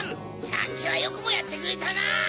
さっきはよくもやってくれたな！